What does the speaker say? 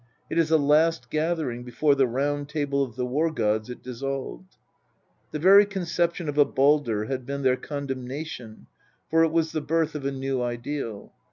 It is a last gathering before the round table of the war gods is dis solved. The very conception of a Baldr had been their condemnation, for it was the birth of a new ideal.